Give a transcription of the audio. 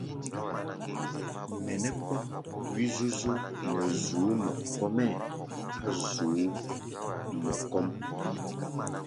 Mɛ nɛ́ kpɔ́k wí-zúzú nɛ zu̧ú̧ mɔ kɔ́-mɛ́ á̧ zu̧ú̧ mɔ kɔ́ʼm.